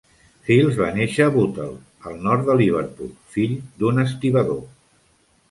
Fields va néixer a Bootle, al nord de Liverpool, fill d'un estibador.